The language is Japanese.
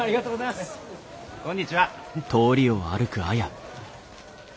こんにちは。